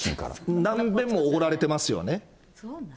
何べんもおごられてますよね。